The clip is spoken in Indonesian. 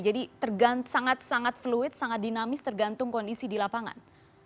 jadi sangat fluid sangat dinamis tergantung kondisi di lapangan